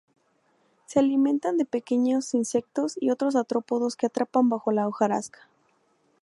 Se alimentan de pequeños insectos y otros artrópodos que atrapan bajo la hojarasca.